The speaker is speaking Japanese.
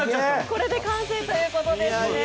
これで完成ということですね。